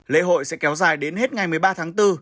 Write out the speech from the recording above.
lễ hội sẽ kéo dài đến hết ngày một mươi ba tháng bốn